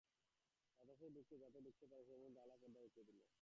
বাতাস যাতে ঢুকতে পারে সে জন্যে জানালার পর্দা উঠিয়ে দিল।